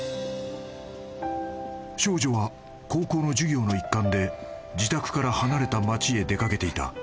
［少女は高校の授業の一環で自宅から離れた街へ出掛けていた］